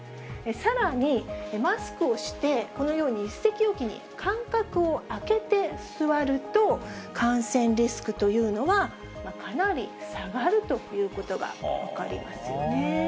さらに、マスクをして、このように１席置きに間隔を空けて座ると、感染リスクというのは、かなり下がるということが分かりますよね。